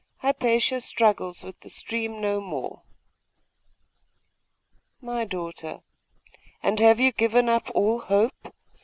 Hypatia struggles with the stream no more!' 'My daughter! And have you given up all hope?